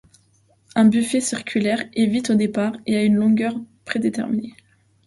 Un buffer circulaire est vide au départ et a une longueur prédéterminée.